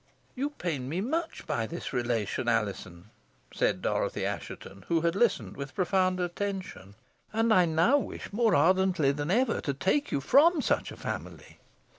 "You pain me much by this relation, Alizon," said Dorothy Assheton, who had listened with profound attention, "and I now wish more ardently than ever to take you from such a family."